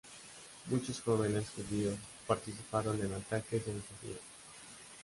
Muchos jóvenes judíos participaron en ataques en Sofía.